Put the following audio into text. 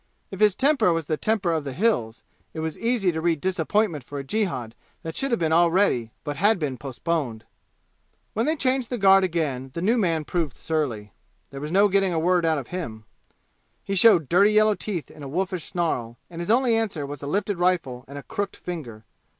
If his temper was the temper of the "Hills," it was easy to read disappointment for a jihad that should have been already but had been postponed. When they changed the guard again the new man proved surly. There was no getting a word out of him. He showed dirty yellow teeth in a wolfish snarl, and his only answer was a lifted rifle and a crooked forefinger.